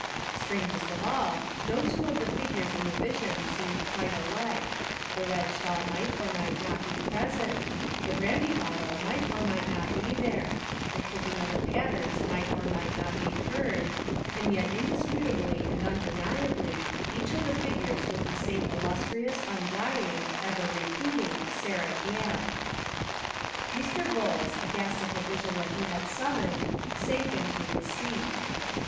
Strangest of all, no two of the figures in the vision seemed quite ahke : the red shawl might or might not be present, the brandy bottle might or might not be there, the clicking of the pat tens might or might not be heard, — and yet in disputably and undeniably each of the figures was the same illustrious undying, ever repeat ing Sarah Gamp. Mr. Vholes, aghast at the vision that he had summoned, sank into his seat.